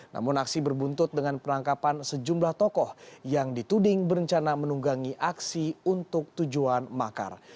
namun aksi berbuntut dengan penangkapan sejumlah tokoh yang dituding berencana menunggangi aksi untuk tujuan makar